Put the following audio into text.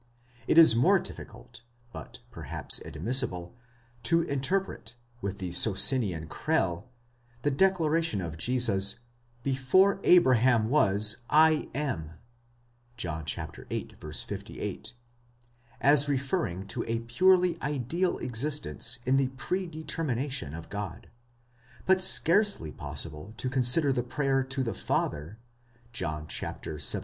It is more difficult, but perhaps admissible, to interpret, with the Socinian Crell, the declaration of Jesus, Before Abraham was, 7 am, πρὶν ᾿Αβραὰμ. γενέσθαι, ἐγώ εἶμι (John viii. 58), as referring to a purely ideal existence in the pre determination of God; but scarcely possible to consider the prayer to the Father (John xvii.